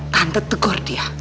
tante tegur dia